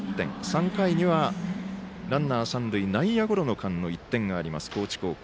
３回にはランナー三塁、内野ゴロの間の１点があります、高知高校。